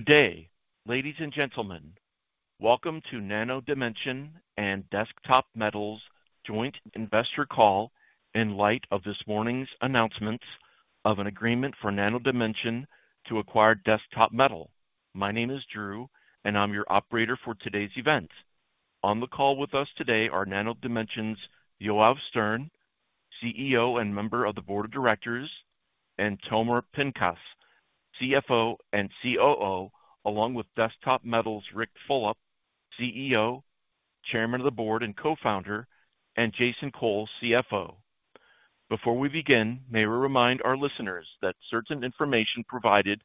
Good day, ladies and gentlemen. Welcome to Nano Dimension and Desktop Metal's joint investor call in light of this morning's announcements of an agreement for Nano Dimension to acquire Desktop Metal. My name is Drew, and I'm your operator for today's event. On the call with us today are Nano Dimension's Yoav Stern, CEO and member of the board of directors, and Tomer Pinhas, CFO and COO, along with Desktop Metal's Ric Fulop, CEO, chairman of the board and co-founder, and Jason Cole, CFO. Before we begin, may we remind our listeners that certain information provided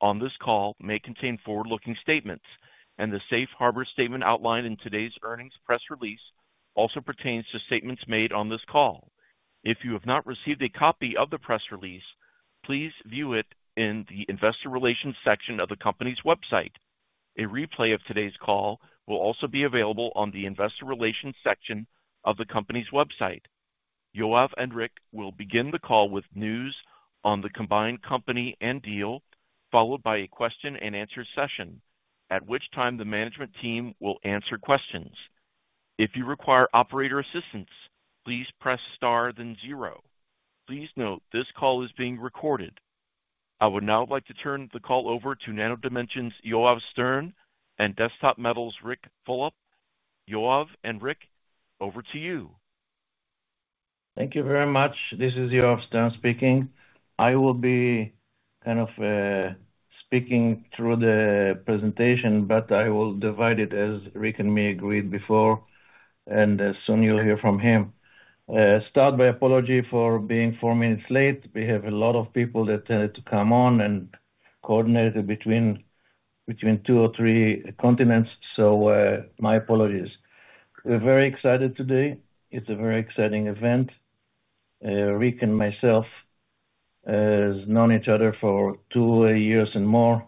on this call may contain forward-looking statements, and the safe harbor statement outlined in today's earnings press release also pertains to statements made on this call. If you have not received a copy of the press release, please view it in the investor relations section of the company's website. A replay of today's call will also be available on the investor relations section of the company's website. Yoav and Ric will begin the call with news on the combined company and deal, followed by a Q&A session, at which time the management team will answer questions. If you require operator assistance, please press star then zero. Please note this call is being recorded. I would now like to turn the call over to Nano Dimension's Yoav Stern and Desktop Metal's Ric Fulop. Yoav and Ric, over to you. Thank you very much. This is Yoav Stern speaking. I will be kind of speaking through the presentation, but I will divide it as Ric and me agreed before, and soon you'll hear from him. Start by apology for being 4 minutes late. We have a lot of people that tended to come on and coordinate between 2 or 3 continents, so my apologies. We're very excited today. It's a very exciting event. Ric and myself have known each other for 2 years and more.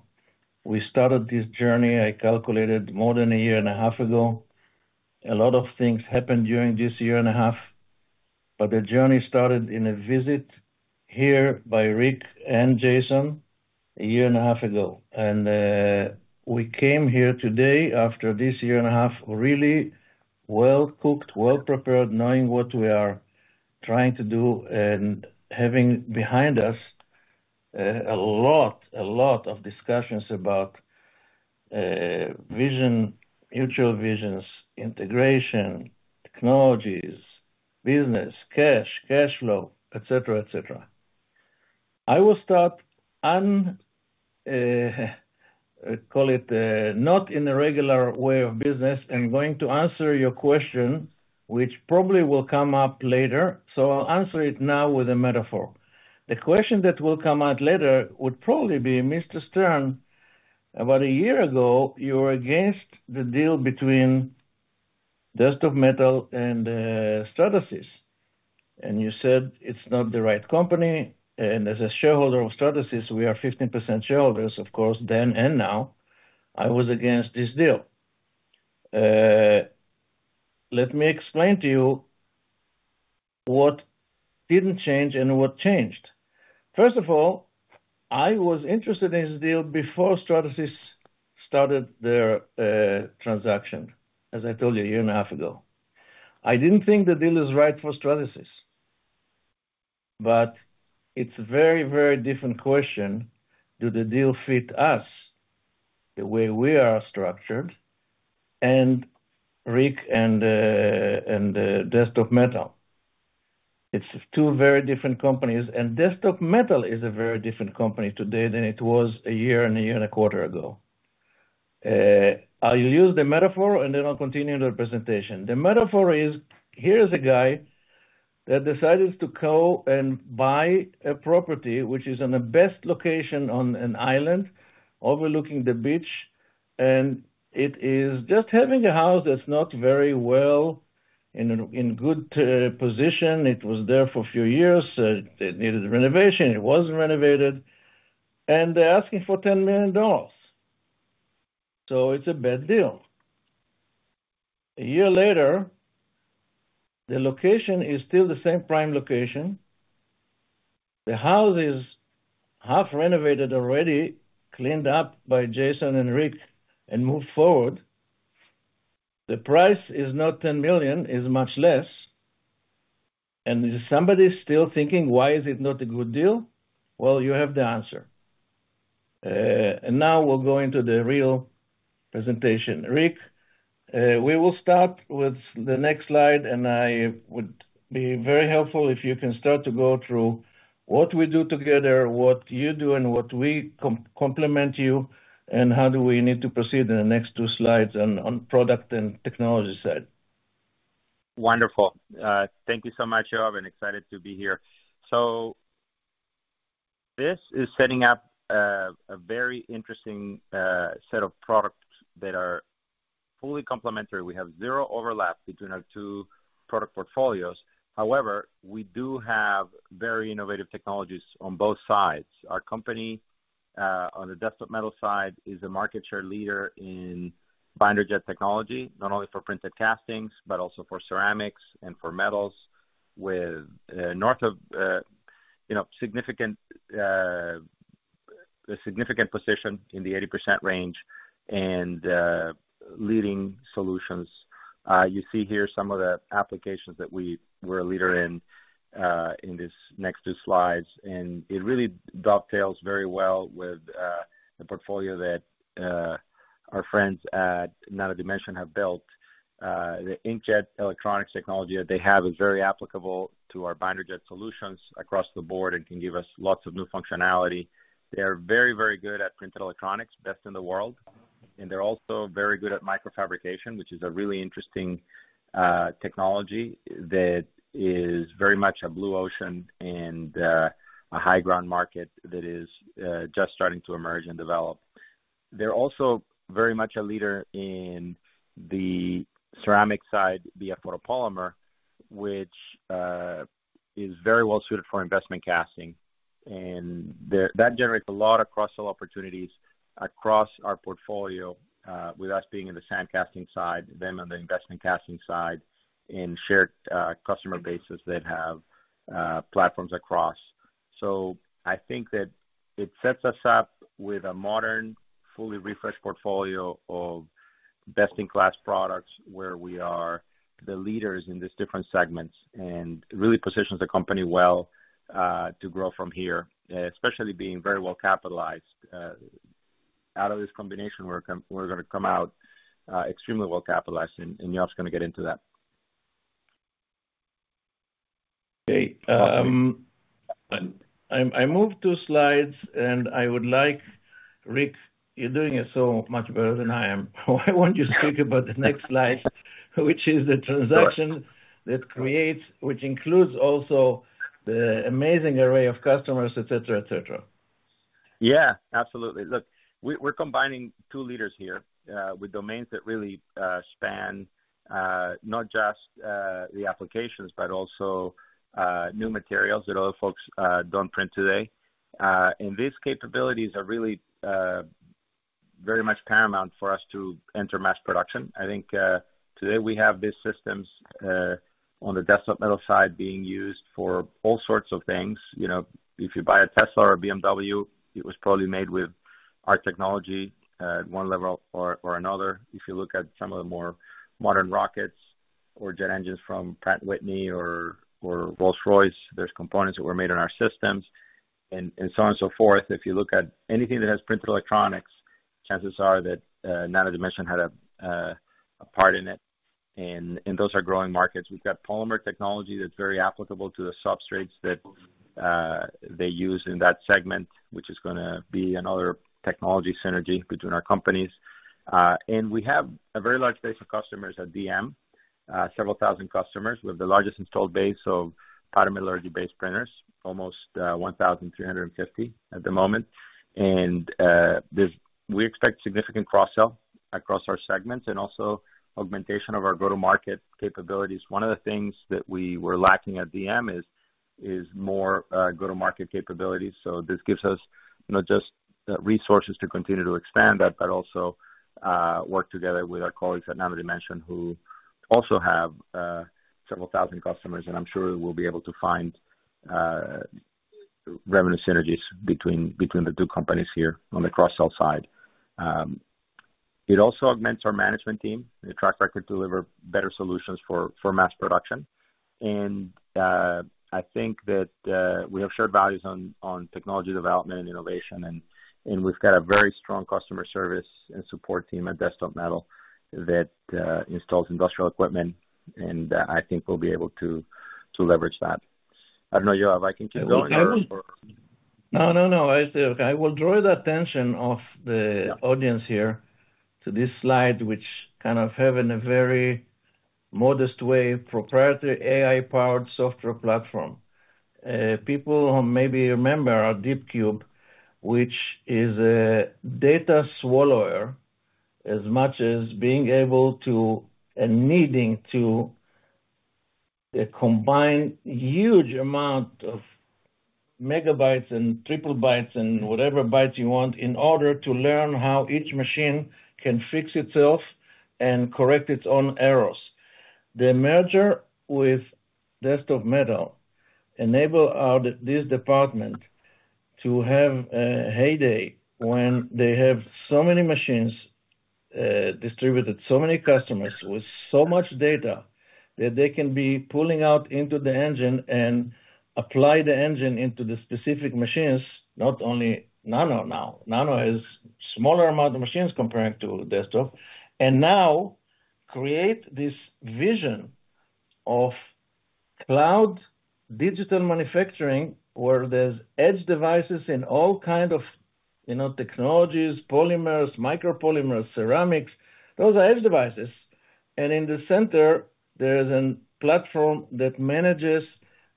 We started this journey, I calculated, more than a year and a half ago. A lot of things happened during this year and a half, but the journey started in a visit here by Ric and Jason a year and a half ago. And we came here today after this year and a half, really well cooked, well prepared, knowing what we are trying to do and having behind us a lot, a lot of discussions about vision, mutual visions, integration, technologies, business, cash, cash flow, et cetera, et cetera. I will start, not in a regular way of business, and going to answer your question, which probably will come up later, so I'll answer it now with a metaphor. The question that will come out later would probably be, "Mr. Stern, about a year ago, you were against the deal between Desktop Metal and Stratasys, and you said it's not the right company. And as a shareholder of Stratasys, we are 15% shareholders, of course, then and now, I was against this deal." Let me explain to you what didn't change and what changed. First of all, I was interested in this deal before Stratasys started their transaction, as I told you a year and a half ago. I didn't think the deal is right for Stratasys, but it's a very, very different question. Do the deal fit us the way we are structured, and Ric and Desktop Metal? It's two very different companies, and Desktop Metal is a very different company today than it was a year and a year and a quarter ago. I'll use the metaphor, and then I'll continue the presentation. The metaphor is, here is a guy that decided to go and buy a property which is in the best location on an island overlooking the beach, and it is just having a house that's not very well in good position. It was there for a few years. It needed renovation. It wasn't renovated, and they're asking for $10 million. So it's a bad deal. A year later, the location is still the same prime location. The house is half renovated already, cleaned up by Jason and Ric, and moved forward. The price is not $10 million, is much less. And somebody's still thinking, "Why is it not a good deal?" Well, you have the answer. And now we'll go into the real presentation. Ric, we will start with the next slide, and I would be very helpful if you can start to go through what we do together, what you do, and what we complement you, and how do we need to proceed in the next two slides on product and technology side. Wonderful. Thank you so much, Yoav. I'm excited to be here. So this is setting up a very interesting set of products that are fully complementary. We have zero overlap between our two product portfolios. However, we do have very innovative technologies on both sides. Our company on the Desktop Metal side is a market share leader in binder jet technology, not only for printed castings, but also for ceramics and for metals, with a significant position in the 80% range and leading solutions. You see here some of the applications that we were a leader in in these next two slides, and it really dovetails very well with the portfolio that our friends at Nano Dimension have built. The inkjet electronics technology that they have is very applicable to our binder jet solutions across the board and can give us lots of new functionality. They are very, very good at printed electronics, best in the world, and they're also very good at microfabrication, which is a really interesting technology that is very much a blue ocean and a high-ground market that is just starting to emerge and develop. They're also very much a leader in the ceramic side via photopolymer, which is very well suited for investment casting, and that generates a lot of cross-sell opportunities across our portfolio, with us being in the sand casting side, them on the investment casting side, and shared customer bases that have platforms across. So I think that it sets us up with a modern, fully refreshed portfolio of best-in-class products where we are the leaders in these different segments and really positions the company well to grow from here, especially being very well capitalized. Out of this combination, we're going to come out extremely well capitalized, and Yoav's going to get into that. Okay. I moved two slides, and I would like, Ric, you're doing it so much better than I am. I want you to speak about the next slide, which is the transaction that includes also the amazing array of customers, et cetera, et cetera. Yeah, absolutely. Look, we're combining two leaders here with domains that really span not just the applications, but also new materials that other folks don't print today. And these capabilities are really very much paramount for us to enter mass production. I think today we have these systems on the Desktop Metal side being used for all sorts of things. If you buy a Tesla or a BMW, it was probably made with our technology at one level or another. If you look at some of the more modern rockets or jet engines from Pratt & Whitney or Rolls-Royce, there's components that were made on our systems and so on and so forth. If you look at anything that has printed electronics, chances are that Nano Dimension had a part in it, and those are growing markets. We've got polymer technology that's very applicable to the substrates that they use in that segment, which is going to be another technology synergy between our companies. We have a very large base of customers at DM, several thousand customers. We have the largest installed base of powder metallurgy-based printers, almost 1,350 at the moment. We expect significant cross-sell across our segments and also augmentation of our go-to-market capabilities. One of the things that we were lacking at DM is more go-to-market capabilities. So this gives us not just resources to continue to expand, but also work together with our colleagues at Nano Dimension, who also have several thousand customers, and I'm sure we'll be able to find revenue synergies between the two companies here on the cross-sell side. It also augments our management team. It attracts back to deliver better solutions for mass production. I think that we have shared values on technology development and innovation, and we've got a very strong customer service and support team at Desktop Metal that installs industrial equipment, and I think we'll be able to leverage that. I don't know, Yoav, I can keep going or? No, no, no. I will draw the attention of the audience here to this slide, which kind of has a very modest way for a proprietary AI-powered software platform. People maybe remember our DeepCube, which is a data swallower as much as being able to and needing to combine a huge amount of megabytes and terabytes and whatever bytes you want in order to learn how each machine can fix itself and correct its own errors. The merger with Desktop Metal enabled this department to have a heyday when they have so many machines distributed, so many customers with so much data that they can be pulling out into the engine and apply the engine into the specific machines, not only Nano now. Nano has a smaller amount of machines compared to Desktop. Now create this vision of cloud digital manufacturing where there's edge devices in all kinds of technologies, polymers, micropolymers, ceramics. Those are edge devices. And in the center, there's a platform that manages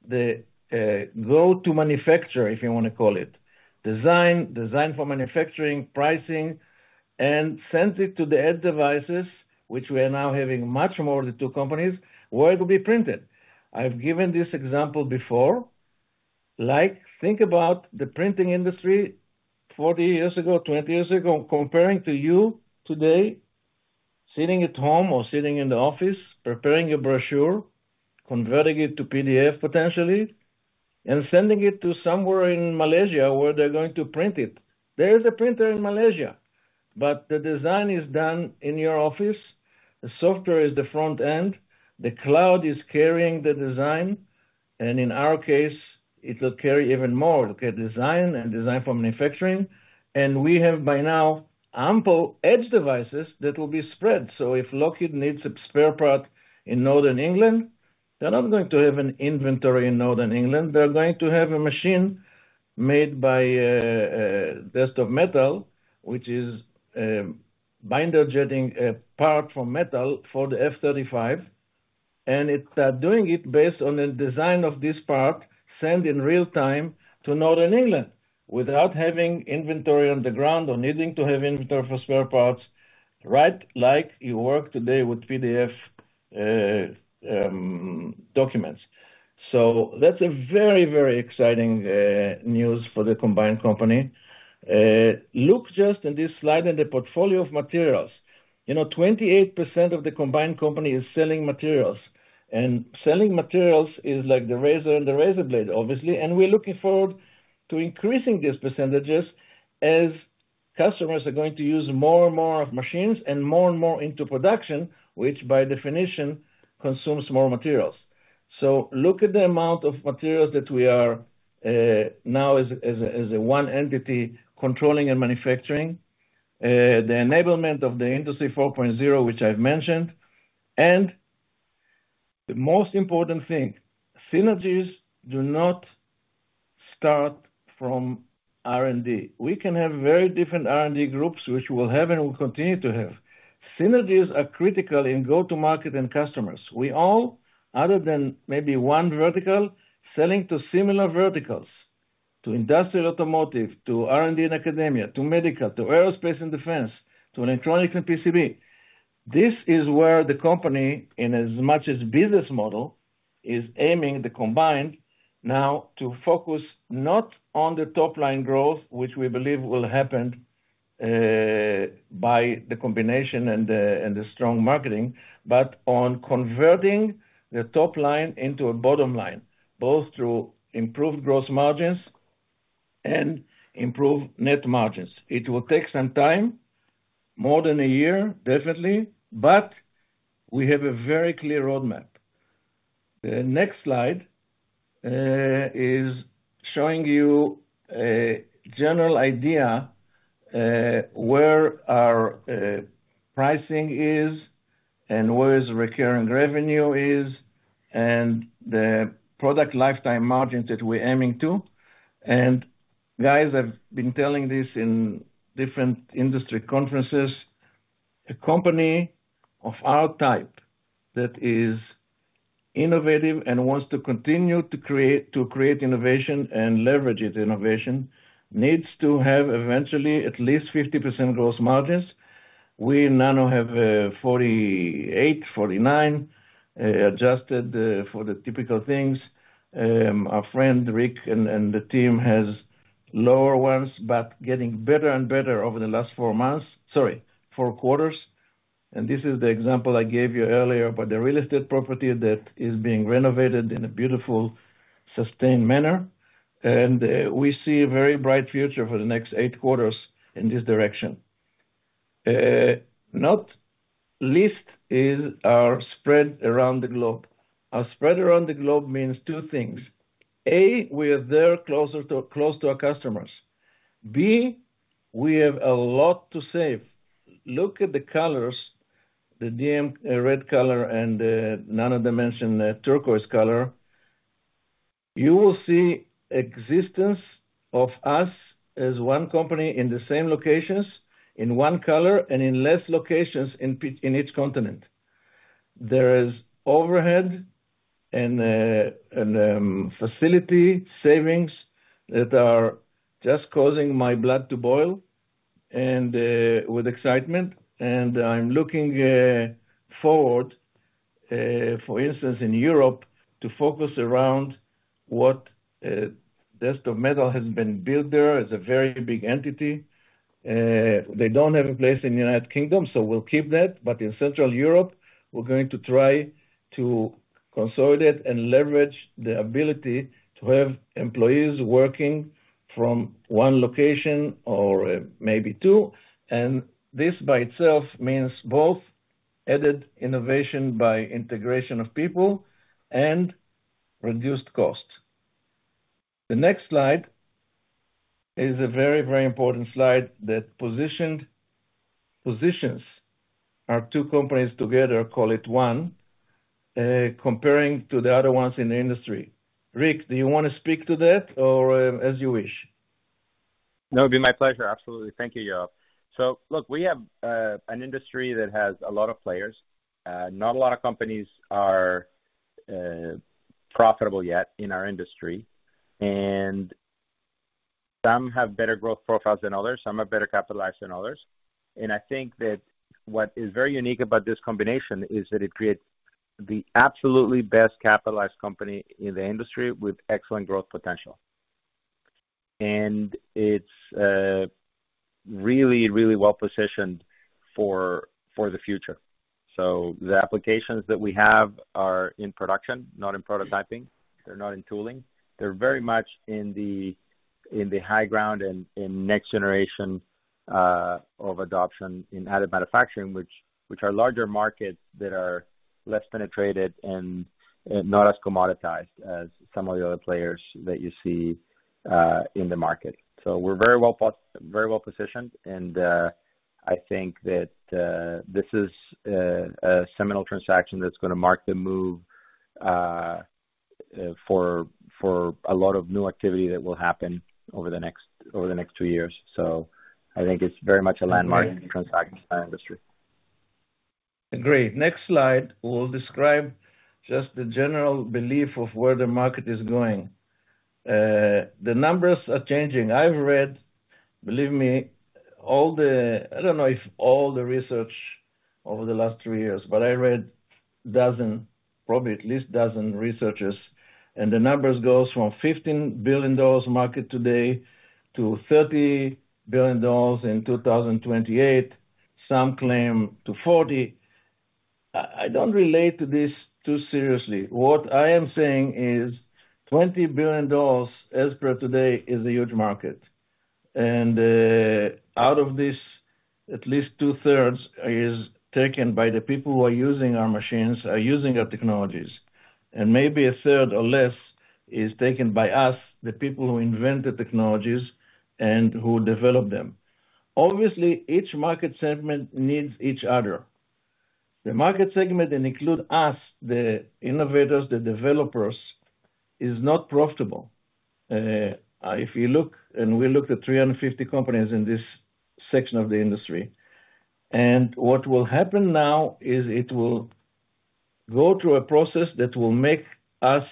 the go-to-manufacturer, if you want to call it, design, design for manufacturing, pricing, and sends it to the edge devices, which we are now having much more than two companies, where it will be printed. I've given this example before. Think about the printing industry 40 years ago, 20 years ago, comparing to you today, sitting at home or sitting in the office, preparing a brochure, converting it to PDF potentially, and sending it to somewhere in Malaysia where they're going to print it. There is a printer in Malaysia, but the design is done in your office. The software is the front end. The cloud is carrying the design, and in our case, it will carry even more. You get design and design for manufacturing, and we have by now ample edge devices that will be spread. So if Lockheed needs a spare part in Northern England, they're not going to have an inventory in Northern England. They're going to have a machine made by Desktop Metal, which is binder jetting a part from metal for the F-35, and it's doing it based on the design of this part, sent in real time to Northern England without having inventory on the ground or needing to have inventory for spare parts, right like you work today with PDF documents. So that's very, very exciting news for the combined company. Look just at this slide and the portfolio of materials. 28% of the combined company is selling materials, and selling materials is like the razor and the razor blade, obviously, and we're looking forward to increasing these percentages as customers are going to use more and more of machines and more and more into production, which by definition consumes more materials. So look at the amount of materials that we are now as a one entity controlling and manufacturing, the enablement of the Industry 4.0, which I've mentioned, and the most important thing, synergies do not start from R&D. We can have very different R&D groups, which we'll have and we'll continue to have. Synergies are critical in go-to-market and customers. We all, other than maybe one vertical, selling to similar verticals, to industrial automotive, to R&D and academia, to medical, to aerospace and defense, to electronics and PCB. This is where the company, in as much as business model, is aiming the combined now to focus not on the top-line growth, which we believe will happen by the combination and the strong marketing, but on converting the top line into a bottom line, both through improved gross margins and improved net margins. It will take some time, more than a year, definitely, but we have a very clear roadmap. The next slide is showing you a general idea where our pricing is and where the recurring revenue is and the product lifetime margins that we're aiming to. And guys, I've been telling this in different industry conferences. A company of our type that is innovative and wants to continue to create innovation and leverage its innovation needs to have eventually at least 50% gross margins. We in Nano have 48%-49% adjusted for the typical things. Our friend Ric and the team has lower ones, but getting better and better over the last four months, sorry, four quarters. This is the example I gave you earlier about the real estate property that is being renovated in a beautiful, sustained manner, and we see a very bright future for the next eight quarters in this direction. Not least is our spread around the globe. Our spread around the globe means two things. A, we are there close to our customers. B, we have a lot to save. Look at the colors, the DM red color and the Nano Dimension turquoise color. You will see the existence of us as one company in the same locations, in one color, and in less locations in each continent. There is overhead and facility savings that are just causing my blood to boil with excitement, and I'm looking forward, for instance, in Europe to focus around what Desktop Metal has been built there as a very big entity. They don't have a place in the United Kingdom, so we'll keep that, but in Central Europe, we're going to try to consolidate and leverage the ability to have employees working from one location or maybe two, and this by itself means both added innovation by integration of people and reduced cost. The next slide is a very, very important slide that positions our two companies together, call it one, comparing to the other ones in the industry. Ric, do you want to speak to that or as you wish? That would be my pleasure. Absolutely. Thank you, Yoav. So look, we have an industry that has a lot of players. Not a lot of companies are profitable yet in our industry, and some have better growth profiles than others, some have better capitalized than others. And I think that what is very unique about this combination is that it creates the absolutely best capitalized company in the industry with excellent growth potential. And it's really, really well positioned for the future. So the applications that we have are in production, not in prototyping. They're not in tooling. They're very much in the high ground and next generation of adoption in additive manufacturing, which are larger markets that are less penetrated and not as commoditized as some of the other players that you see in the market. So we're very well positioned, and I think that this is a seminal transaction that's going to mark the move for a lot of new activity that will happen over the next two years. So I think it's very much a landmark transaction in our industry. Great. Next slide, we'll describe just the general belief of where the market is going. The numbers are changing. I've read, believe me, all the—I don't know if all the research over the last three years, but I read probably at least dozen researchers, and the numbers go from $15 billion market today to $30 billion in 2028. Some claim to $40. I don't relate to this too seriously. What I am saying is $20 billion as per today is a huge market. And out of this, at least two-thirds is taken by the people who are using our machines, are using our technologies, and maybe a third or less is taken by us, the people who invented technologies and who developed them. Obviously, each market segment needs each other. The market segment that includes us, the innovators, the developers, is not profitable. If you look and we look at 350 companies in this section of the industry, and what will happen now is it will go through a process that will make us,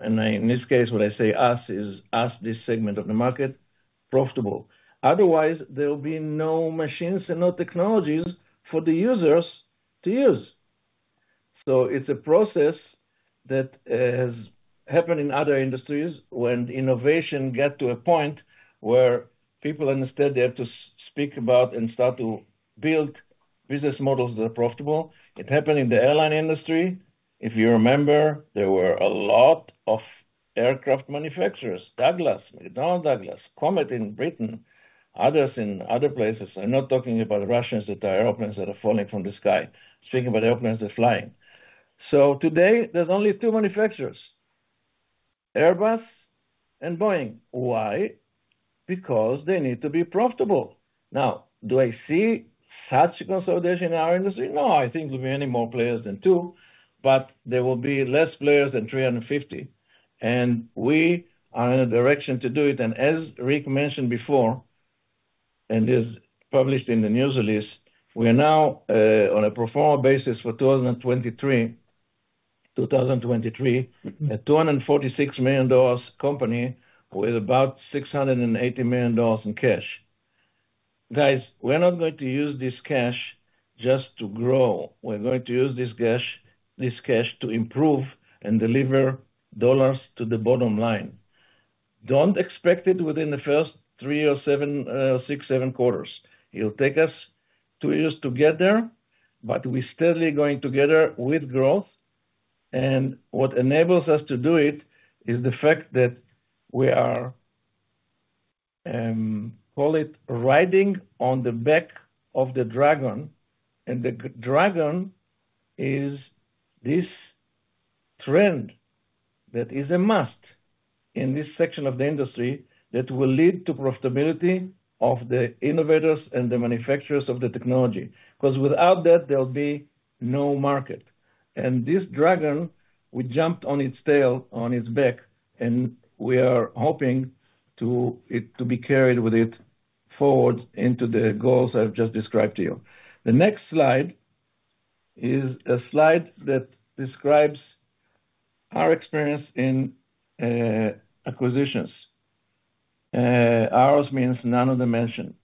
and in this case, when I say us, is us, this segment of the market, profitable. Otherwise, there will be no machines and no technologies for the users to use. So it's a process that has happened in other industries when innovation got to a point where people understood they have to speak about and start to build business models that are profitable. It happened in the airline industry. If you remember, there were a lot of aircraft manufacturers, Douglas, McDonnell Douglas, Comet in Britain, others in other places. I'm not talking about the Russians that are airplanes that are falling from the sky. I'm speaking about airplanes that are flying. So today, there's only 2 manufacturers, Airbus and Boeing. Why? Because they need to be profitable. Now, do I see such a consolidation in our industry? No, I think there will be many more players than 2, but there will be less players than 350. And we are in a direction to do it. And as Ric mentioned before, and it's published in the news release, we are now on a pro forma basis for 2023, 2023, a $246 million company with about $680 million in cash. Guys, we're not going to use this cash just to grow. We're going to use this cash to improve and deliver dollars to the bottom line. Don't expect it within the first 3 or 6, 7 quarters. It'll take us 2 years to get there, but we're steadily going together with growth. And what enables us to do it is the fact that we are, call it riding on the back of the dragon, and the dragon is this trend that is a must in this section of the industry that will lead to profitability of the innovators and the manufacturers of the technology. Because without that, there will be no market. And this dragon, we jumped on its tail, on its back, and we are hoping to be carried with it forward into the goals I've just described to you. The next slide is a slide that describes our experience in acquisitions. Ours means Nano Dimension.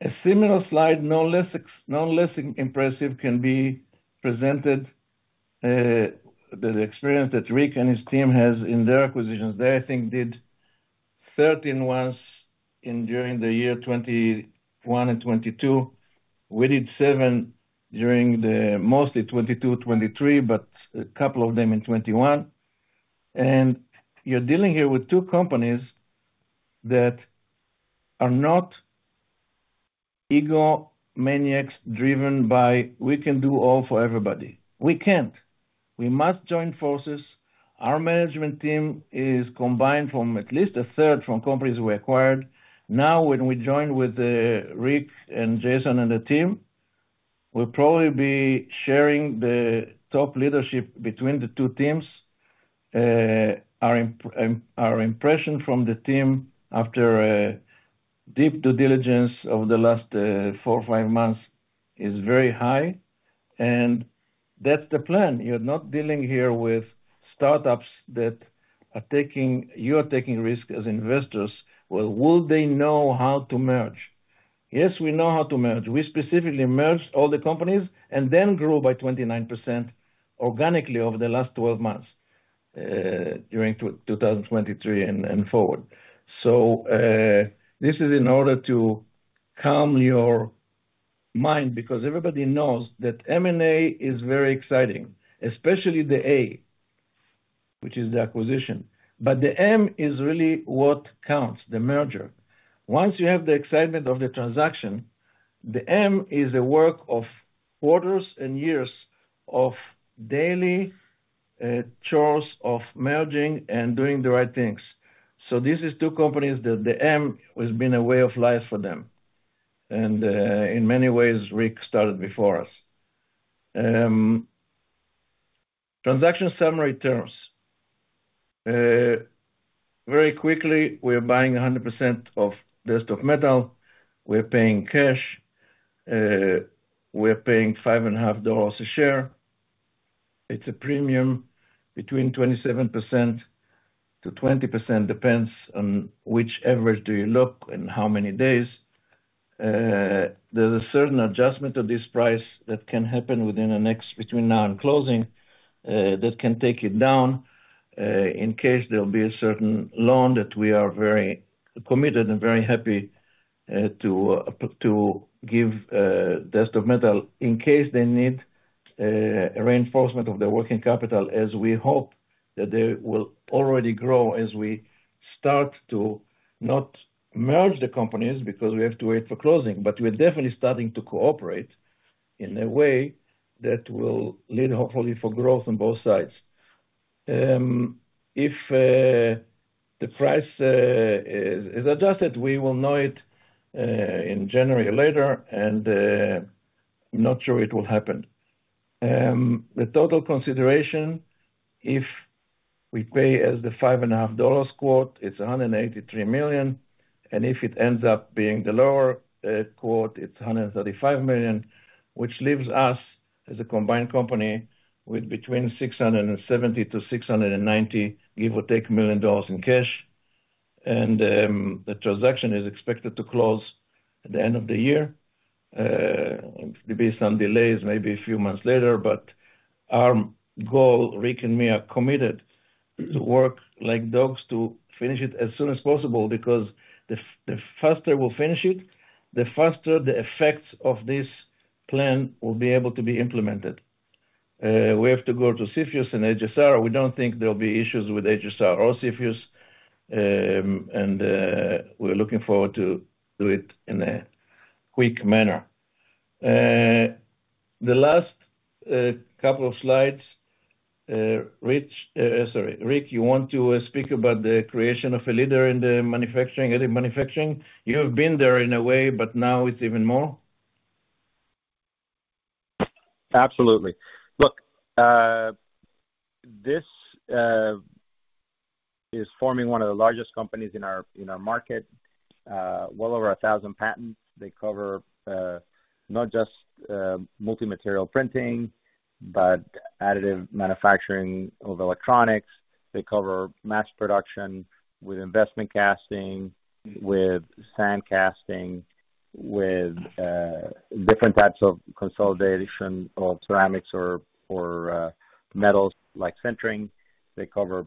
A similar slide, no less impressive, can be presented, the experience that Ric and his team has in their acquisitions. They, I think, did 13 ones during the year 2021 and 2022. We did 7 during the mostly 2022, 2023, but a couple of them in 2021. You're dealing here with two companies that are not egomaniacs driven by, "We can do all for everybody." We can't. We must join forces. Our management team is combined from at least a third from companies we acquired. Now, when we join with Ric and Jason and the team, we'll probably be sharing the top leadership between the two teams. Our impression from the team after deep due diligence of the last 4, 5 months is very high, and that's the plan. You're not dealing here with startups that are taking, you are taking risks as investors. Well, will they know how to merge? Yes, we know how to merge. We specifically merged all the companies and then grew by 29% organically over the last 12 months during 2023 and forward. So this is in order to calm your mind because everybody knows that M&A is very exciting, especially the A, which is the acquisition. But the M is really what counts, the merger. Once you have the excitement of the transaction, the M is a work of quarters and years of daily chores of merging and doing the right things. So these are two companies that the M has been a way of life for them. And in many ways, Ric started before us. Transaction summary terms. Very quickly, we're buying 100% of Desktop Metal. We're paying cash. We're paying $5.50 a share. It's a premium between 27%-20%. Depends on which average do you look and how many days. There's a certain adjustment to this price that can happen within the next between now and closing that can take it down in case there'll be a certain loan that we are very committed and very happy to give Desktop Metal in case they need reinforcement of their working capital, as we hope that they will already grow as we start to not merge the companies because we have to wait for closing, but we're definitely starting to cooperate in a way that will lead, hopefully, for growth on both sides. If the price is adjusted, we will know it in January later, and I'm not sure it will happen. The total consideration, if we pay as the $5.50 quote, it's $183 million. If it ends up being the lower quote, it's $135 million, which leaves us as a combined company with $670-$690 million, give or take, in cash. The transaction is expected to close at the end of the year based on delays, maybe a few months later. Our goal, Ric and me are committed to work like dogs to finish it as soon as possible because the faster we finish it, the faster the effects of this plan will be able to be implemented. We have to go to CFIUS and HSR. We don't think there'll be issues with HSR or CFIUS, and we're looking forward to do it in a quick manner. The last couple of slides, Ric, sorry, Ric, you want to speak about the creation of a leader in the manufacturing, additive manufacturing? You've been there in a way, but now it's even more. Absolutely. Look, this is forming one of the largest companies in our market, well over 1,000 patents. They cover not just multi-material printing, but additive manufacturing of electronics. They cover mass production with investment casting, with sand casting, with different types of consolidation of ceramics or metals like sintering. They cover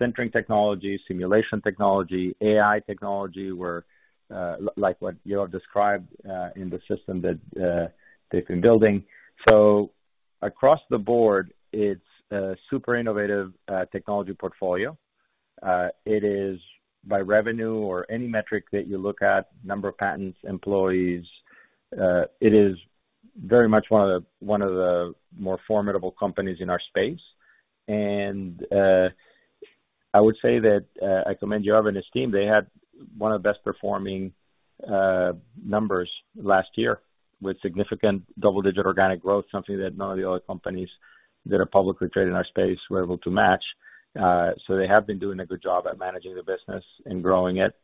sintering technology, simulation technology, AI technology, like what Yoav described in the system that they've been building. So across the board, it's a super innovative technology portfolio. It is, by revenue or any metric that you look at, number of patents, employees, it is very much one of the more formidable companies in our space. And I would say that I commend Yoav and his team. They had one of the best performing numbers last year with significant double-digit organic growth, something that none of the other companies that are publicly traded in our space were able to match. They have been doing a good job at managing the business and growing it.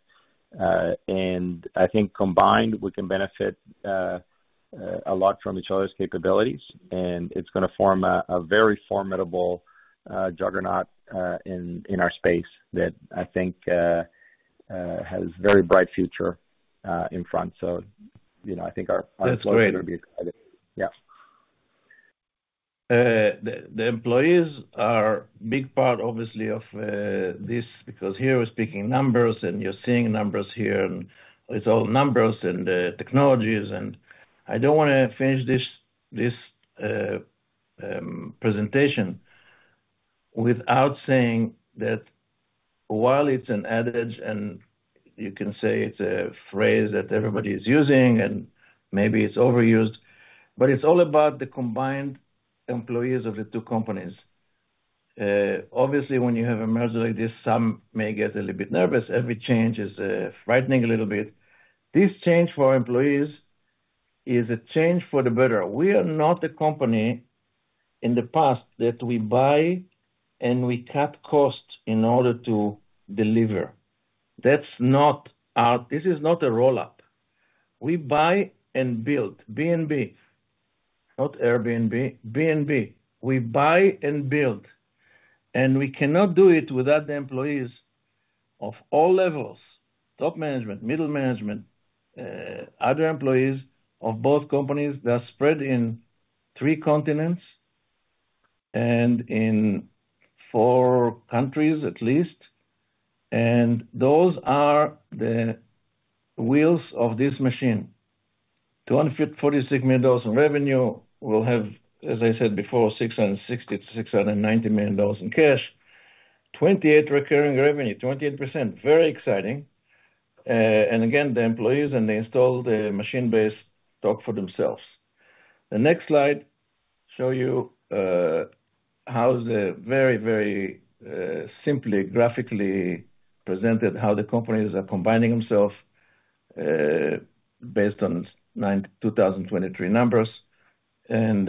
I think combined, we can benefit a lot from each other's capabilities, and it's going to form a very formidable juggernaut in our space that I think has a very bright future in front. I think our employees are going to be excited. Yeah. The employees are a big part, obviously, of this because here we're speaking numbers, and you're seeing numbers here, and it's all numbers and technologies. I don't want to finish this presentation without saying that while it's an adage, and you can say it's a phrase that everybody is using, and maybe it's overused, but it's all about the combined employees of the two companies. Obviously, when you have a merger like this, some may get a little bit nervous. Every change is frightening a little bit. This change for our employees is a change for the better. We are not a company in the past that we buy and we cut costs in order to deliver. This is not a roll-up. We buy and build, B&B, not Airbnb, B&B. We buy and build. We cannot do it without the employees of all levels, top management, middle management, other employees of both companies that are spread in three continents and in four countries at least. And those are the wheels of this machine. $246 million in revenue, as I said before, $660 million-$690 million in cash, 28% recurring revenue. Very exciting. And again, the employees and they install the machine-based stock for themselves. The next slide shows you how the very, very simply graphically presented how the companies are combining themselves based on 2023 numbers. And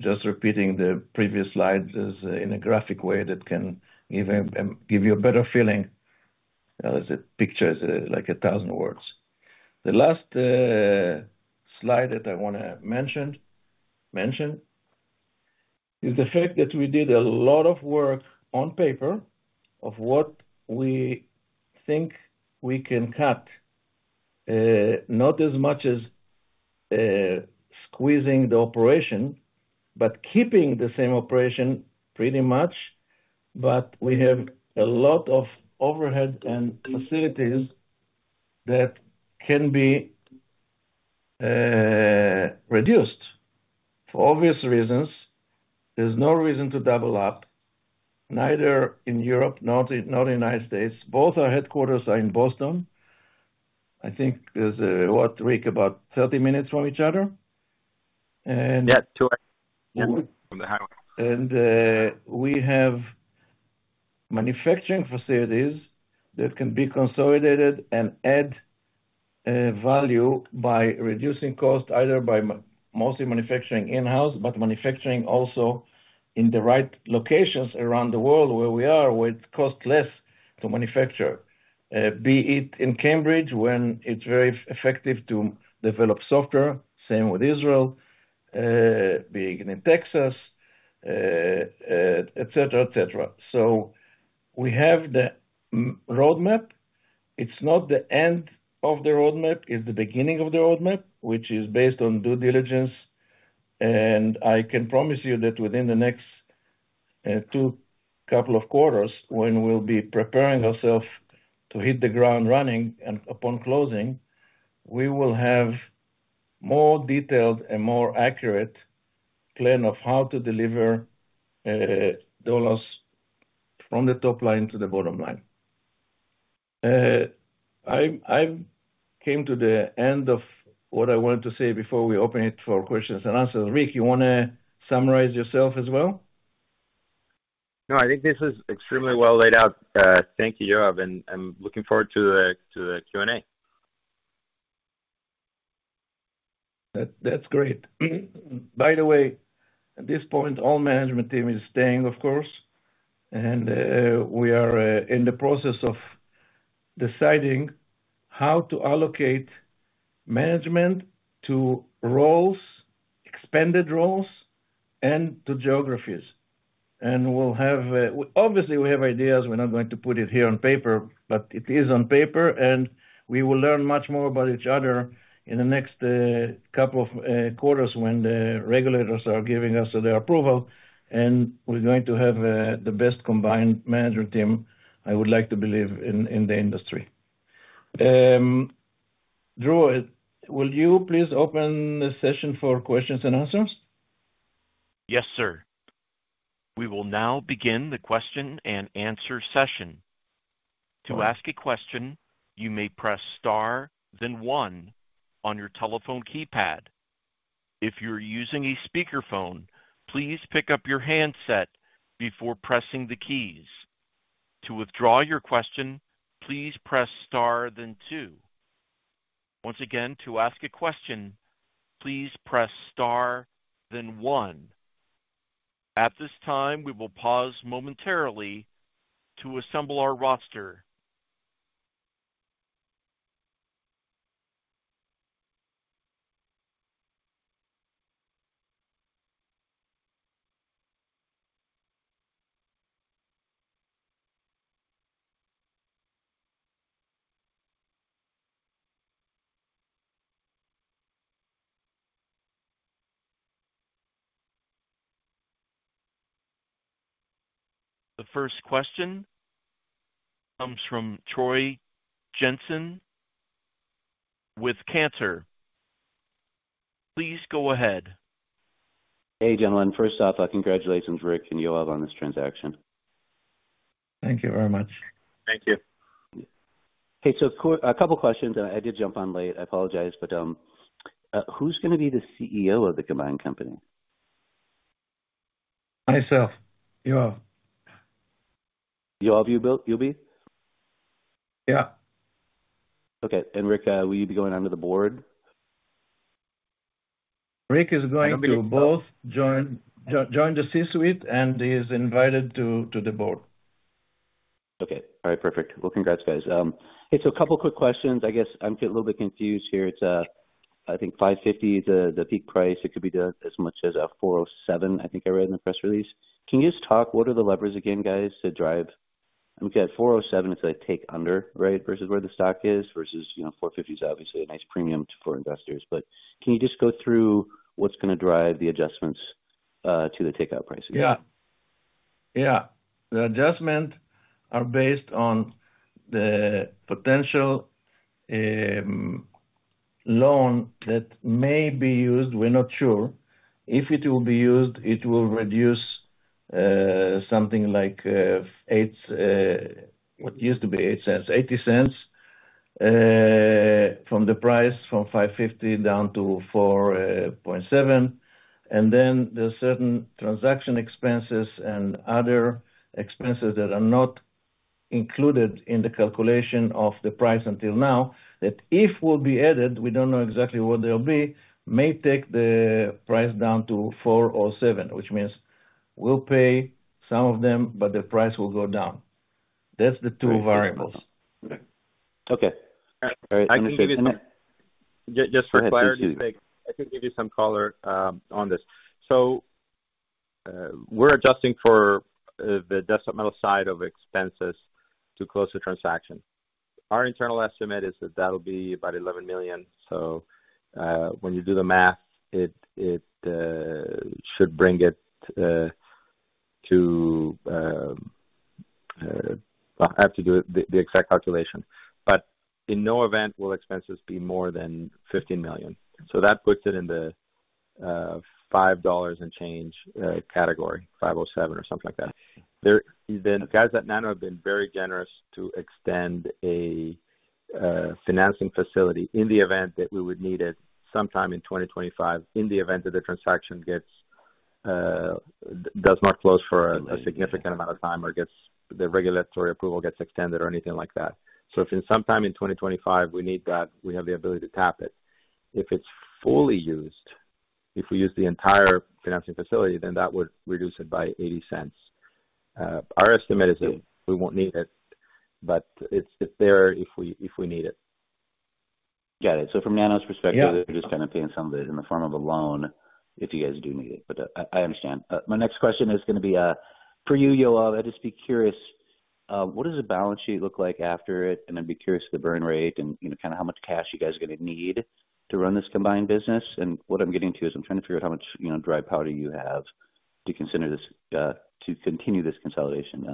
just repeating the previous slides in a graphic way that can give you a better feeling. The picture is like a thousand words. The last slide that I want to mention is the fact that we did a lot of work on paper of what we think we can cut, not as much as squeezing the operation, but keeping the same operation pretty much. But we have a lot of overhead and facilities that can be reduced for obvious reasons. There's no reason to double up, neither in Europe, nor in the United States. Both our headquarters are in Boston. I think there's what, Ric, about 30 minutes from each other? Yeah, 2 hours. We have manufacturing facilities that can be consolidated and add value by reducing cost, either by mostly manufacturing in-house, but manufacturing also in the right locations around the world where we are where it costs less to manufacture, be it in Cambridge when it's very effective to develop software, same with Israel, being in Texas, etc., etc. So we have the roadmap. It's not the end of the roadmap. It's the beginning of the roadmap, which is based on due diligence. And I can promise you that within the next two couple of quarters, when we'll be preparing ourselves to hit the ground running and upon closing, we will have a more detailed and more accurate plan of how to deliver dollars from the top line to the bottom line. I came to the end of what I wanted to say before we open it for questions and answers. Ric, you want to summarize yourself as well? No, I think this was extremely well laid out. Thank you, Yoav. And I'm looking forward to the Q&A. That's great. By the way, at this point, all management team is staying, of course. And we are in the process of deciding how to allocate management to roles, expanded roles, and to geographies. And obviously, we have ideas. We're not going to put it here on paper, but it is on paper. And we will learn much more about each other in the next couple of quarters when the regulators are giving us their approval. And we're going to have the best combined management team, I would like to believe, in the industry. Drew, will you please open the session for questions and answers? Yes, sir. We will now begin the Q&A session. To ask a question, you may press star, then one on your telephone keypad. If you're using a speakerphone, please pick up your handset before pressing the keys. To withdraw your question, please press star, then two. Once again, to ask a question, please press star, then one. At this time, we will pause momentarily to assemble our roster. The first question comes from Troy Jensen with Cantor Fitzgerald. Please go ahead. Hey, gentlemen. First off, congratulations, Ric and Yoav, on this transaction. Thank you very much. Thank you. Hey, so a couple of questions. I did jump on late. I apologize. But who's going to be the CEO of the combined company? Myself, Yoav. Yoav, you'll be? Yeah. Okay. And Ric, will you be going onto the board? Ric is going to both join the C-suite and is invited to the board. Okay. All right. Perfect. Well, congrats, guys. Hey, so a couple of quick questions. I guess I'm getting a little bit confused here. I think $550 is the peak price. It could be as much as $407, I think I read in the press release. Can you just talk what are the levers again, guys, to drive? I'm looking at $407 as a take under, right, versus where the stock is, versus $450 is obviously a nice premium for investors. But can you just go through what's going to drive the adjustments to the takeout price again? Yeah. Yeah. The adjustments are based on the potential loan that may be used. We're not sure. If it will be used, it will reduce something like what used to be $0.80 from the price from $550 down to $4.7. And then there are certain transaction expenses and other expenses that are not included in the calculation of the price until now that if will be added, we don't know exactly what they'll be, may take the price down to $407, which means we'll pay some of them, but the price will go down. That's the two variables. Okay. All right. I understand. Just for clarity, I can give you some color on this. So we're adjusting for the Desktop Metal side of expenses to close the transaction. Our internal estimate is that that'll be about $11 million. So when you do the math, it should bring it to. I have to do the exact calculation. But in no event will expenses be more than $15 million. So that puts it in the $5 and change category, $5.07 or something like that. Then the guys at Nano have been very generous to extend a financing facility in the event that we would need it sometime in 2025, in the event that the transaction does not close for a significant amount of time or the regulatory approval gets extended or anything like that. So if in sometime in 2025 we need that, we have the ability to tap it. If it's fully used, if we use the entire financing facility, then that would reduce it by $0.80. Our estimate is that we won't need it, but it's there if we need it. Got it. So from Nano's perspective, they're just going to pay some of it in the form of a loan if you guys do need it. But I understand. My next question is going to be for you, Yoav. I'd just be curious, what does the balance sheet look like after it? And I'd be curious the burn rate and kind of how much cash you guys are going to need to run this combined business. And what I'm getting to is I'm trying to figure out how much dry powder you have to continue this consolidation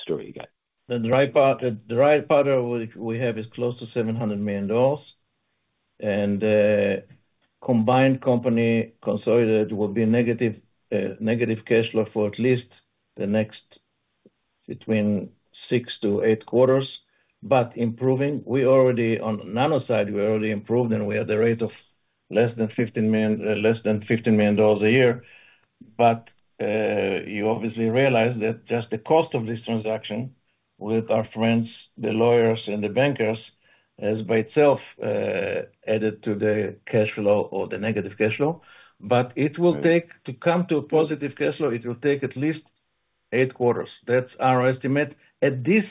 story you got. The dry powder we have is close to $700 million. Combined company consolidated will be negative cash flow for at least the next 6-8 quarters, but improving. On the Nano side, we already improved, and we have the rate of less than $15 million a year. But you obviously realize that just the cost of this transaction with our friends, the lawyers, and the bankers has by itself added to the cash flow or the negative cash flow. But it will take to come to a positive cash flow, it will take at least 8 quarters. That's our estimate at this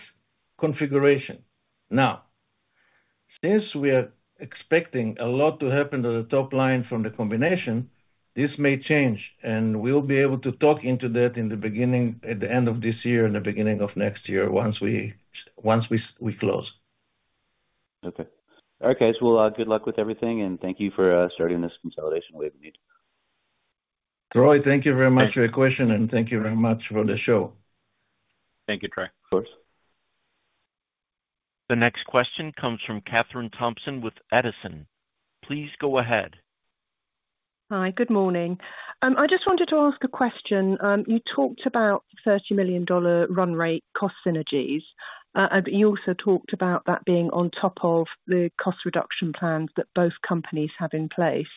configuration. Now, since we are expecting a lot to happen to the top line from the combination, this may change. We'll be able to talk into that at the end of this year and the beginning of next year once we close. Okay. All right, guys. Well, good luck with everything. Thank you for starting this consolidation wave we need. Troy, thank you very much for your question, and thank you very much for the show. Thank you, Troy. Of course. The next question comes from Katherine Thompson with Edison. Please go ahead. Hi, good morning. I just wanted to ask a question. You talked about the $30 million run rate cost synergies. You also talked about that being on top of the cost reduction plans that both companies have in place.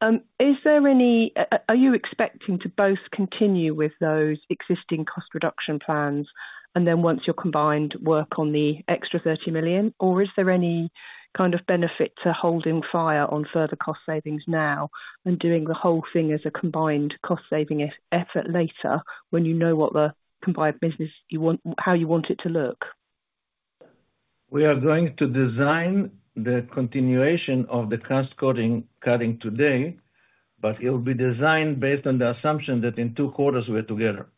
Are you expecting to both continue with those existing cost reduction plans and then once you're combined work on the extra $30 million? Or is there any kind of benefit to holding fire on further cost savings now and doing the whole thing as a combined cost saving effort later when you know what the combined business, how you want it to look? We are going to design the continuation of the cross-cutting today, but it will be designed based on the assumption that in 2 quarters we're together.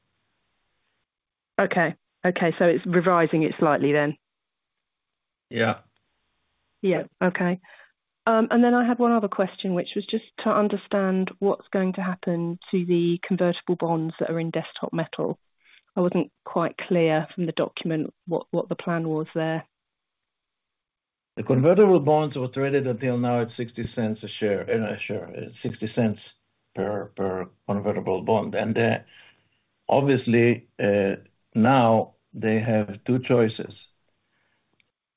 Okay. Okay. So it's revising it slightly then? Yeah. Yeah. Okay. And then I have one other question, which was just to understand what's going to happen to the convertible bonds that are in Desktop Metal? I wasn't quite clear from the document what the plan was there. The convertible bonds were traded until now at $0.60 a share, $0.60 per convertible bond. Obviously, now they have two choices.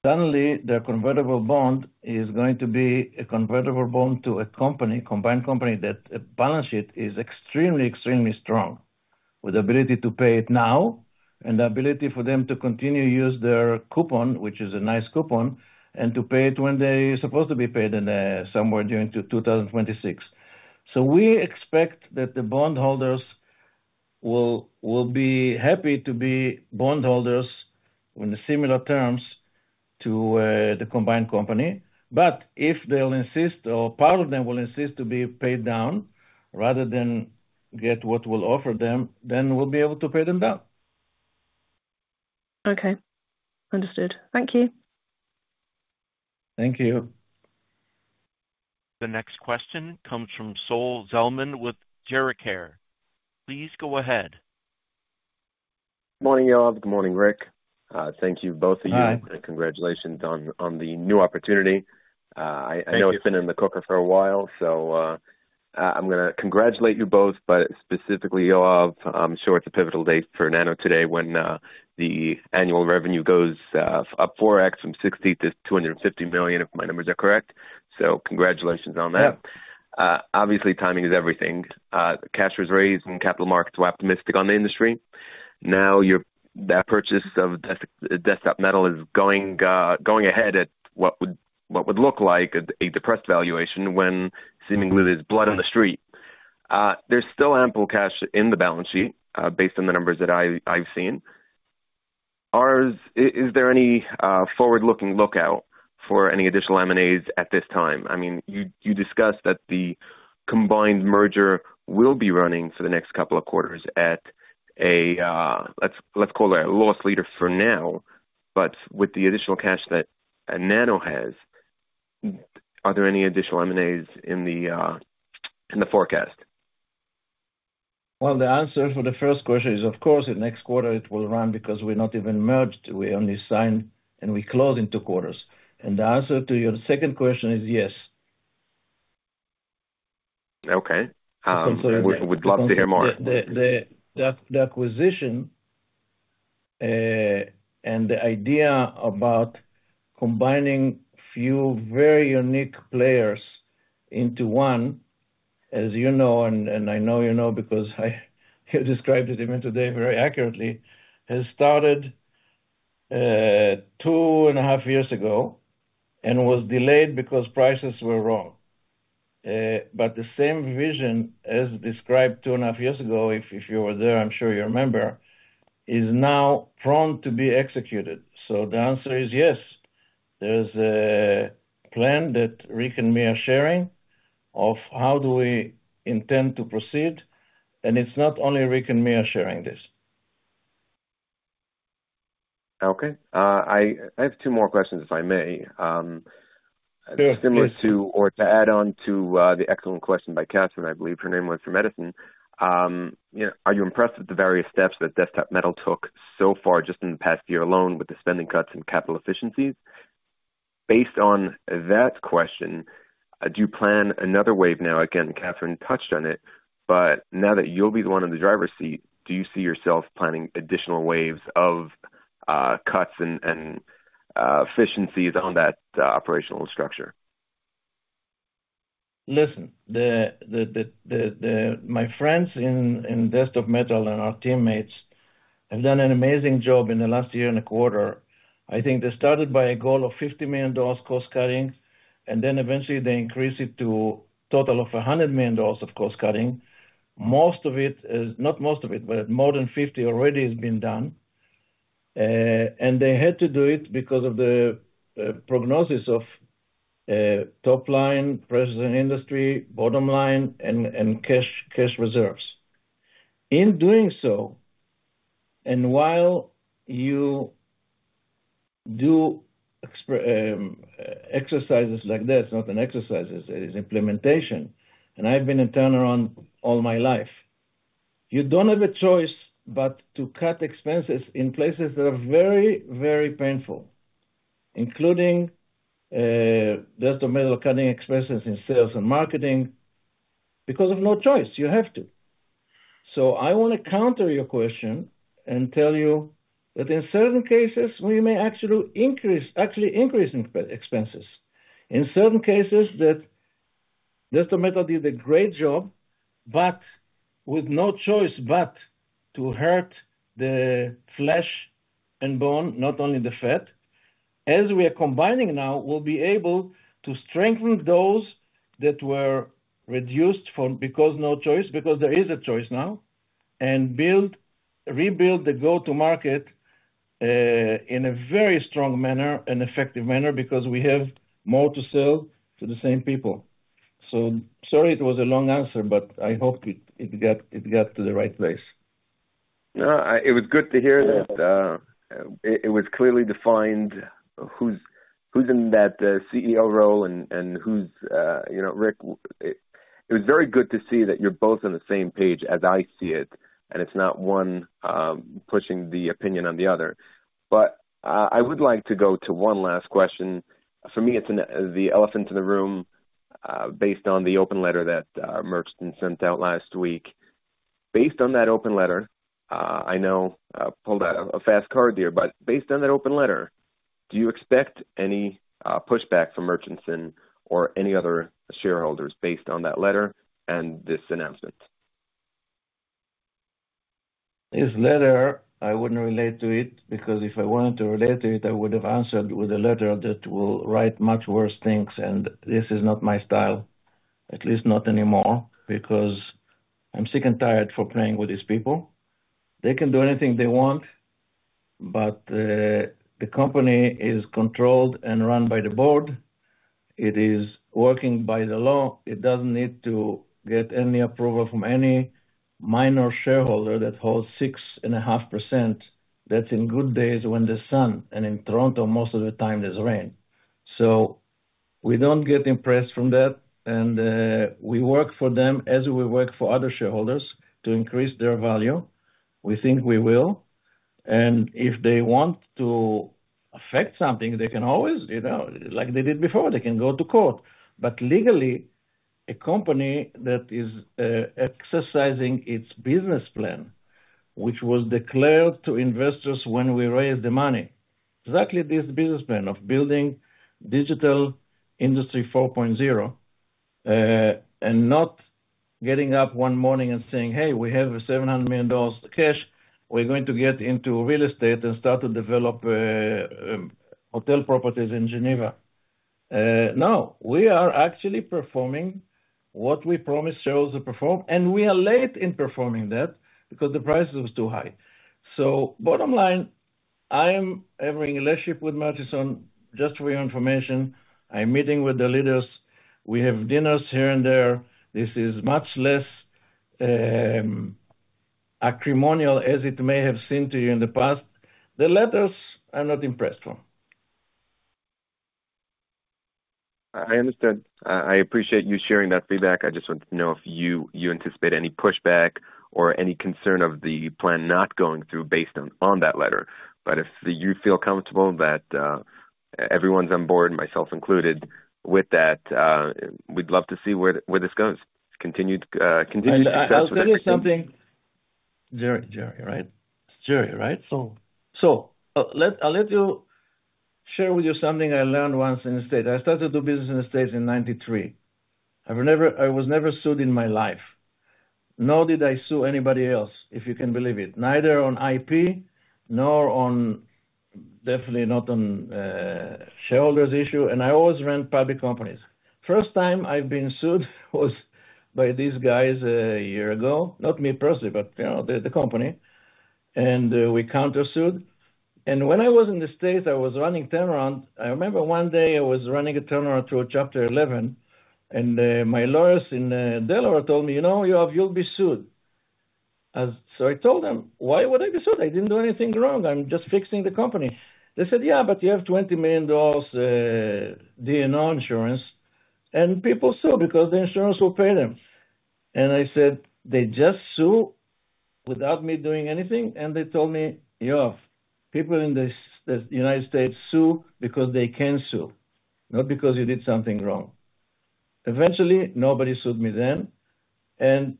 Suddenly, their convertible bond is going to be a convertible bond to a combined company that the balance sheet is extremely, extremely strong with the ability to pay it now and the ability for them to continue to use their coupon, which is a nice coupon, and to pay it when they're supposed to be paid somewhere during 2026. So we expect that the bondholders will be happy to be bondholders on similar terms to the combined company. But if they'll insist or part of them will insist to be paid down rather than get what we'll offer them, then we'll be able to pay them down. Okay. Understood. Thank you. Thank you. The next question comes from Sol Zelman with Gericare. Please go ahead. Morning, Yoav. Good morning, Ric. Thank you, both of you. And congratulations on the new opportunity. I know it's been in the cooker for a while. So I'm going to congratulate you both, but specifically, Yoav, I'm sure it's a pivotal day for Nano today when the annual revenue goes up 4x from $60 to $250 million, if my numbers are correct. So congratulations on that. Obviously, timing is everything. Cash was raised, and capital markets were optimistic on the industry. Now that purchase of Desktop Metal is going ahead at what would look like a depressed valuation when seemingly there's blood on the street. There's still ample cash in the balance sheet based on the numbers that I've seen. Is there any forward-looking lookout for any additional M&As at this time? I mean, you discussed that the combined merger will be running for the next couple of quarters at a, let's call it a loss leader for now, but with the additional cash that Nano has, are there any additional M&As in the forecast? Well, the answer for the first question is, of course, in next quarter it will run because we're not even merged. We only signed and we closed in two quarters. And the answer to your second question is yes. Okay. We'd love to hear more. The acquisition and the idea about combining a few very unique players into one, as you know, and I know you know because you described it even today very accurately, has started 2.5 years ago and was delayed because prices were wrong. But the same vision as described 2.5 years ago, if you were there, I'm sure you remember, is now prone to be executed. So the answer is yes. There's a plan that Ric and Mia are sharing of how do we intend to proceed. And it's not only Ric and Mia sharing this. Okay. I have two more questions, if I may. Similar to or to add on to the excellent question by Catherine, I believe her name was from Edison. Are you impressed with the various steps that Desktop Metal took so far just in the past year alone with the spending cuts and capital efficiencies? Based on that question, do you plan another wave now? Again, Catherine touched on it, but now that you'll be the one in the driver's seat, do you see yourself planning additional waves of cuts and efficiencies on that operational structure? Listen, my friends in Desktop Metal and our teammates have done an amazing job in the last year and a quarter. I think they started by a goal of $50 million cost cutting, and then eventually they increased it to a total of $100 million of cost cutting. Most of it is not most of it, but more than 50 already has been done. And they had to do it because of the prognosis of top line, present industry, bottom line, and cash reserves. In doing so, and while you do exercises like that, it's not an exercise, it is implementation. And I've been in turnaround all my life. You don't have a choice but to cut expenses in places that are very, very painful, including Desktop Metal cutting expenses in sales and marketing because of no choice. You have to. So I want to counter your question and tell you that in certain cases, we may actually increase expenses. In certain cases, that Desktop Metal did a great job, but with no choice but to hurt the flesh and bone, not only the fat. As we are combining now, we'll be able to strengthen those that were reduced because no choice, because there is a choice now, and rebuild the go-to-market in a very strong manner, an effective manner, because we have more to sell to the same people. So sorry, it was a long answer, but I hope it got to the right place. It was good to hear that it was clearly defined who's in that CEO role and who's Ric. It was very good to see that you're both on the same page as I see it. It's not one pushing the opinion on the other. I would like to go to one last question. For me, it's the elephant in the room based on the open letter that Murchinson sent out last week. Based on that open letter, I know I pulled out a fast card here, but based on that open letter, do you expect any pushback from Murchinson or any other shareholders based on that letter and this announcement? This letter, I wouldn't relate to it because if I wanted to relate to it, I would have answered with a letter that will write much worse things. This is not my style, at least not anymore, because I'm sick and tired of playing with these people. They can do anything they want, but the company is controlled and run by the board. It is working by the law. It doesn't need to get any approval from any minor shareholder that holds 6.5%. That's in good days when the sun, and in Toronto, most of the time there's rain. So we don't get impressed from that. We work for them as we work for other shareholders to increase their value. We think we will. If they want to affect something, they can always, like they did before, they can go to court. But legally, a company that is exercising its business plan, which was declared to investors when we raised the money, exactly this business plan of building digital Industry 4.0 and not getting up one morning and saying, "Hey, we have $700 million of cash. We're going to get into real estate and start to develop hotel properties in Geneva." No, we are actually performing what we promised shares to perform. And we are late in performing that because the price was too high. So bottom line, I'm having a relationship with Murchinson just for your information. I'm meeting with the leaders. We have dinners here and there. This is much less acrimonious as it may have seemed to you in the past. The letters I'm not impressed from. I understand. I appreciate you sharing that feedback. I just wanted to know if you anticipate any pushback or any concern of the plan not going through based on that letter. But if you feel comfortable that everyone's on board, myself included, with that, we'd love to see where this goes. Continued success with that plan. I'll tell you something. Jerry, Jerry, right? It's Jerry, right? So I'll let you share with you something I learned once in the States. I started to do business in the States in 1993. I was never sued in my life. Nor did I sue anybody else, if you can believe it. Neither on IP nor on definitely not on shareholders' issue. And I always ran public companies. First time I've been sued was by these guys a year ago. Not me personally, but the company. And we countersued. And when I was in the States, I was running turnaround. I remember one day I was running a turnaround through Chapter 11. And my lawyers in Delaware told me, "You know, Yoav, you'll be sued." So I told them, "Why would I be sued? I didn't do anything wrong. I'm just fixing the company." They said, "Yeah, but you have $20 million D&O insurance." People sued because the insurance will pay them. I said, "They just sued without me doing anything." They told me, "Yoav, people in the United States sue because they can sue, not because you did something wrong." Eventually, nobody sued me then.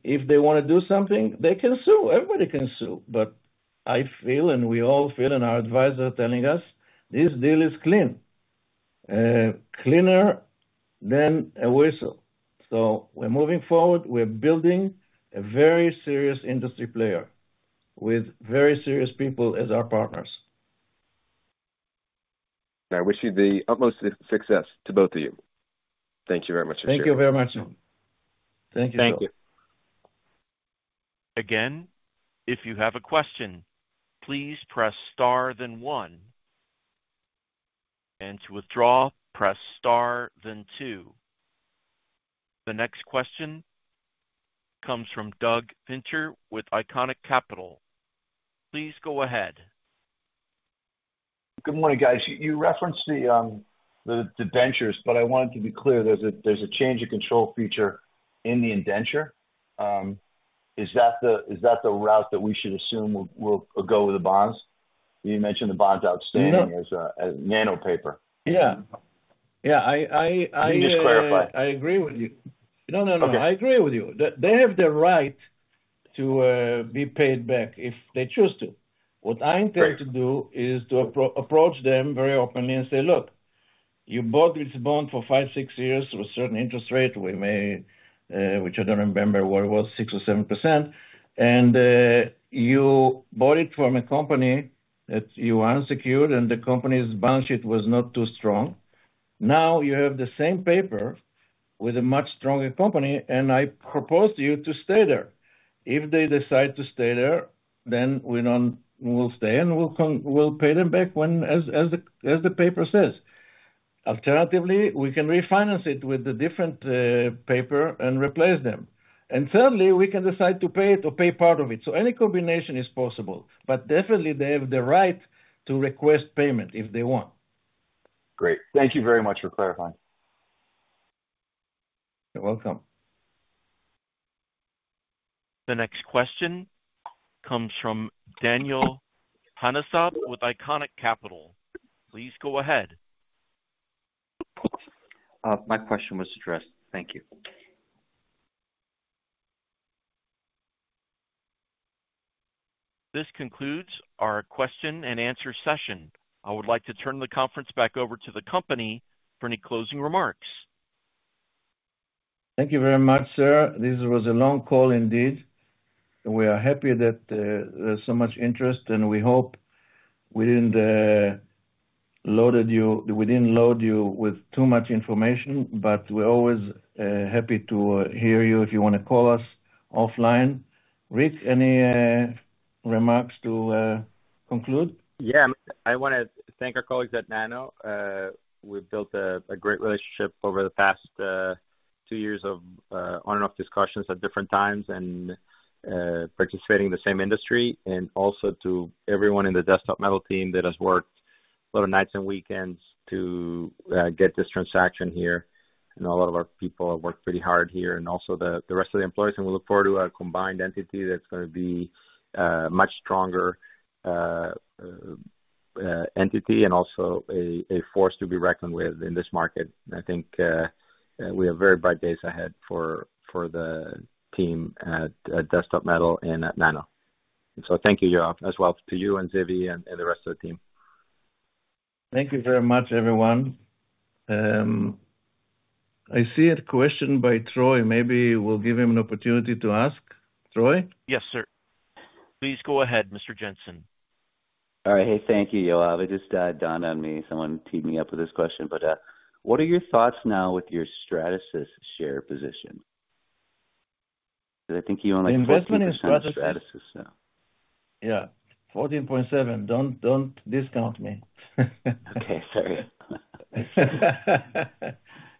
If they want to do something, they can sue. Everybody can sue. I feel, and we all feel, and our advisors are telling us, this deal is clean. Cleaner than a whistle. We're moving forward. We're building a very serious industry player with very serious people as our partners. I wish you the utmost success to both of you. Thank you very much for sharing. Thank you very much. Thank you. Thank you. Again, if you have a question, please press star then one. To withdraw, press star then two. The next question comes from Doug Fincher with Ionic Capital. Please go ahead. Good morning, guys. You referenced the indentures, but I wanted to be clear. There's a change of control feature in the indenture. Is that the route that we should assume will go with the bonds? You mentioned the bonds outstanding as Nano paper. Yeah. Yeah. Can you just clarify? I agree with you. No, no, no. I agree with you. They have the right to be paid back if they choose to. What I intend to do is to approach them very openly and say, "Look, you bought this bond for 5, 6 years with a certain interest rate, which I don't remember what it was, 6% or 7%. And you bought it from a company that you unsecured, and the company's balance sheet was not too strong. Now you have the same paper with a much stronger company, and I propose to you to stay there. If they decide to stay there, then we'll stay and we'll pay them back as the paper says. Alternatively, we can refinance it with a different paper and replace them. And thirdly, we can decide to pay it or pay part of it. So any combination is possible. But definitely, they have the right to request payment if they want. Great. Thank you very much for clarifying. You're welcome. The next question comes from Daniel Hansasab with ICONIQ Capital. Please go ahead. My question was addressed. Thank you. This concludes our Q&A session. I would like to turn the conference back over to the company for any closing remarks. Thank you very much, sir. This was a long call indeed. We are happy that there's so much interest, and we hope we didn't load you with too much information, but we're always happy to hear you if you want to call us offline. Ric, any remarks to conclude? Yeah. I want to thank our colleagues at Nano. We've built a great relationship over the past two years of on-and-off discussions at different times and participating in the same industry. And also to everyone in the Desktop Metal team that has worked a lot of nights and weekends to get this transaction here. And a lot of our people have worked pretty hard here and also the rest of the employees. And we look forward to a combined entity that's going to be a much stronger entity and also a force to be reckoned with in this market. I think we have very bright days ahead for the team at Desktop Metal and at Nano. So thank you, Yoav, as well to you and Zivi and the rest of the team. Thank you very much, everyone. I see a question by Troy. Maybe we'll give him an opportunity to ask. Troy? Yes, sir. Please go ahead, Mr. Jensen. All right. Hey, thank you, Yoav. I just had Don on me. Someone teed me up with this question. But what are your thoughts now with your Stratasys share position? Because I think you only touched on the Stratasys now. Investment in Stratasys. Yeah. 14.7. Don't discount me. Okay. Sorry.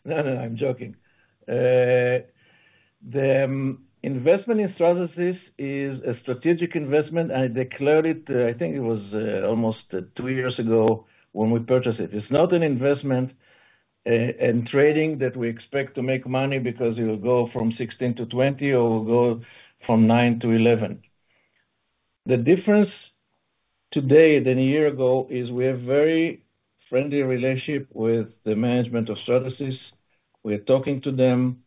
No, no, I'm joking. The investment in Stratasys is a strategic investment. I declared it, I think it was almost 2 years ago when we purchased it. It's not an investment and trading that we expect to make money because it will go from 16-20 or will go from 9-11. The difference today than a year ago is we have a very friendly relationship with the management of Stratasys. We are talking to them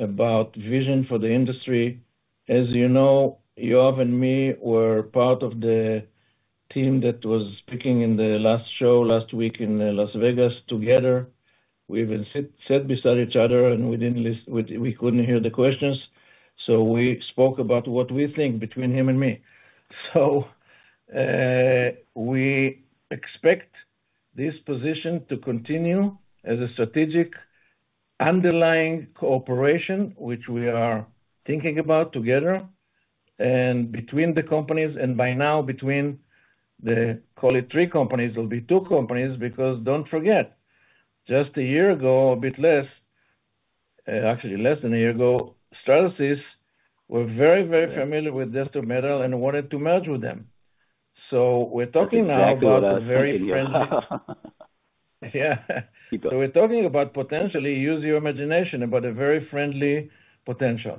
about vision for the industry. As you know, Yoav and me were part of the team that was speaking in the last show last week in Las Vegas together. We even sat beside each other and we couldn't hear the questions. So we spoke about what we think between him and me. So we expect this position to continue as a strategic underlying cooperation, which we are thinking about together and between the companies. By now, between the, call it three companies, there'll be two companies because don't forget, just a year ago, a bit less, actually less than a year ago, Stratasys were very, very familiar with Desktop Metal and wanted to merge with them. So we're talking now about a very friendly. Yeah. So we're talking about potentially using your imagination about a very friendly potential.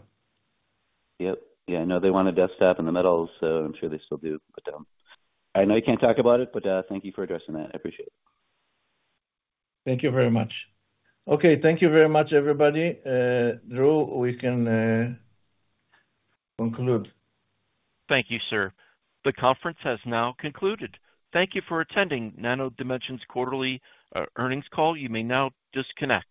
Yep. Yeah. I know they want to Desktop Metal, so I'm sure they still do. But I know you can't talk about it, but thank you for addressing that. I appreciate it. Thank you very much. Okay. Thank you very much, everybody. Drew, we can conclude. Thank you, sir. The conference has now concluded. Thank you for attending Nano Dimension's quarterly earnings call. You may now disconnect.